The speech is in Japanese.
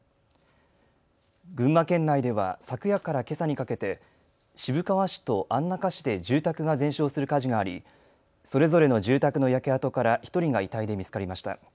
群馬県内では昨夜からけさにかけて渋川市と安中市で住宅が全焼する火事があり、それぞれの住宅の焼け跡から１人が遺体で見つかりました。